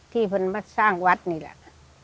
ที่เขามาสร้างวัดนี่แหละ